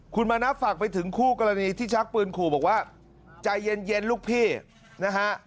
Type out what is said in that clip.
คุณมณะฝากไปถึงคู่กรณีที่ชักปืนขู่บอกว่าใจเย็นลูกพี่นะฮะ